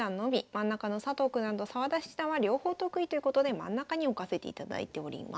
真ん中の佐藤九段と澤田七段は両方得意ということで真ん中に置かせていただいております。